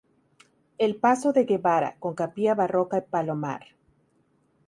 El "Pazo de Guevara" con capilla barroca y palomar.